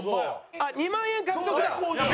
あっ２万円獲得だ。